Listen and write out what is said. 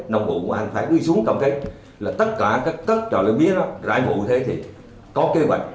nông bộ của anh phải đi xuống cầm cây là tất cả các trò lợi mía rải bụ thế thì có kế hoạch